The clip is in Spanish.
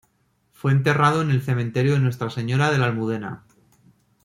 Fue enterrado en el cementerio de Nuestra Señora de la Almudena.